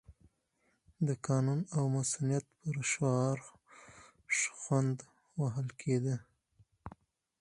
د قانون او مصونیت پر شعار شخوند وهل کېده.